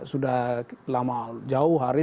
sudah lama jauh hari